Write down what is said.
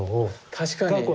確かに。